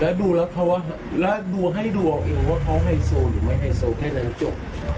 แล้วดูแล้วเขาว่าแล้วดูให้ดูเอาเองว่าเขาไฮโซหรือไม่ไฮโซแค่นั้นจบ